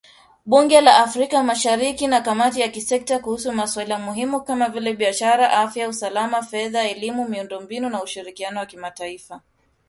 Bunge la Afrika Mashariki na kamati za kisekta kuhusu masuala muhimu kama vile biashara , afya , usalama , fedha , elimu , miundo mbinu na ushirikiano wa kimataifa